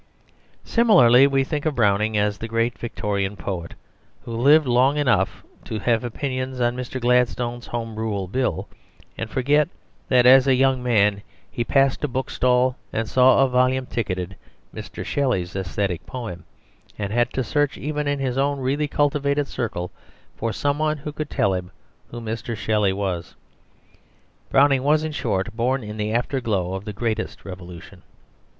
Similarly, we think of Browning as the great Victorian poet, who lived long enough to have opinions on Mr. Gladstone's Home Rule Bill, and forget that as a young man he passed a bookstall and saw a volume ticketed "Mr. Shelley's Atheistic Poem," and had to search even in his own really cultivated circle for some one who could tell him who Mr. Shelley was. Browning was, in short, born in the afterglow of the great Revolution.